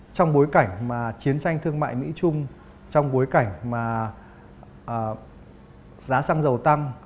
trong bối cảnh mà chiến tranh thương mại mỹ trung trong bối cảnh mà giá xăng dầu tăng